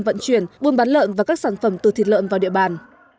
vận chuyển buôn bán lợn và các sản phẩm từ thịt lợn vào địa bàn